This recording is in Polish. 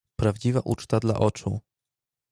"Prawdziwa uczta dla oczu."